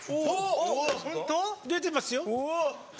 出てますよ。